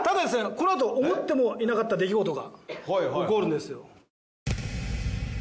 このあと思ってもいなかった出来事が起こるんですよ。